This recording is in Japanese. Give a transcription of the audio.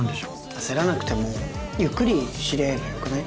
焦らなくてもゆっくり知り合えばよくない？